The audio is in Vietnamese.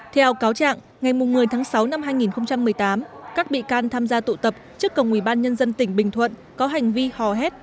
theo cáo trạng ngày một mươi tháng sáu năm hai nghìn một mươi tám các bị can tham gia tụ tập trước cổng ubnd tỉnh bình thuận có hành vi hò hét